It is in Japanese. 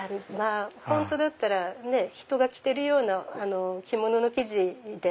本当だったら人が着てるような着物の生地で。